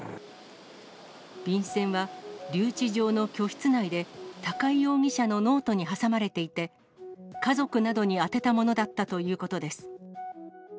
便箋は、留置場の居室内で、高井容疑者のノートに挟まれていて、家族などに宛てたものだったということです。